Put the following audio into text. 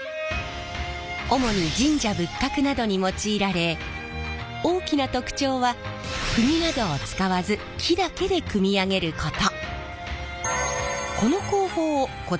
主に神社仏閣などに用いられ大きな特徴はくぎなどを使わず木だけで組み上げること。